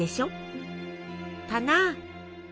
「ったなぁ。